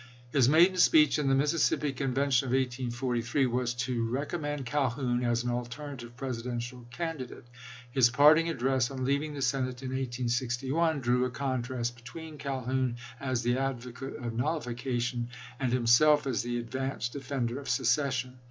His maiden speech in the Mississippi Con vention of 1843 was to recommend Calhoun as an alternative Presidential candidate ; his parting ad dress on leaving the Senate in 1861 drew a contrast between Calhoun as the advocate of nullification, and himself as the advanced defender of secession.